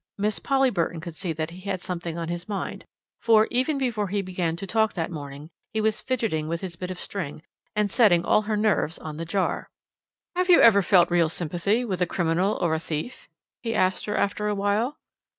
Miss Polly Burton could see that he had something on his mind, for, even before he began to talk that morning, he was fidgeting with his bit of string, and setting all her nerves on the jar. "Have you ever felt real sympathy with a criminal or a thief?" he asked her after a while.